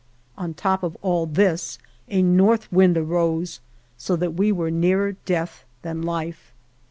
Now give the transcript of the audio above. On top of all this, a north wind arose, so that we were nearer death than life.